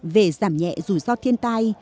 về giảm nhẹ rủi ro thiên tai